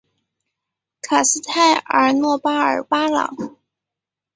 卡斯泰尔诺巴尔巴朗。